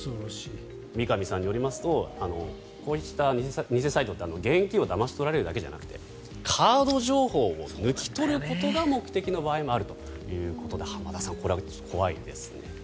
三上さんによりますとこうした偽サイトって現金をだまし取られるだけじゃなくてカード情報を抜き取ることが目的の場合もあるということで浜田さん、これは怖いですね。